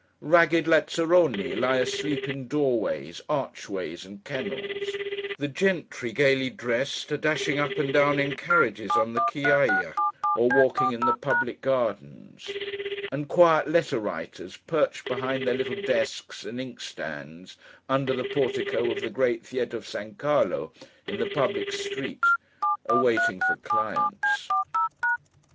Ragged lazzaroni lie asleep in doorways, archways, and kennels; the gentry, gaily dressed, are dashing up and down in carriages on the Chiaji, or walking in the Public Gardens; and quiet letter writers, perched behind their little desks and inkstands under the Portico of the Great Theatre of San Carlo, in the public street, are waiting for clients.